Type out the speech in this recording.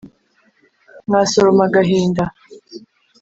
mwasoroma agahinda!